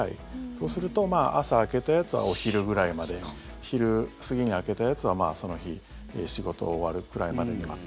そうすると朝開けたやつはお昼ぐらいまでに昼過ぎに開けたやつは、その日仕事終わるくらいまでにはって。